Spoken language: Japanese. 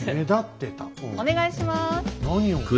お願いします。